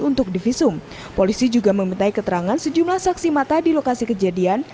untuk divisum polisi juga memintai keterangan sejumlah saksi mata di lokasi kejadian